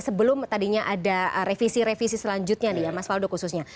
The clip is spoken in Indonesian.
sebelum tadinya ada revisi revisi selanjutnya nih ya mas faldo khususnya